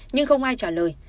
nhưng không ai trả lời